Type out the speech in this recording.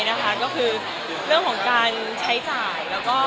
เรื่องของการใช้จ่าย